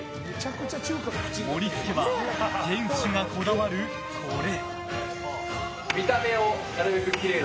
盛り付けは店主がこだわる、これ。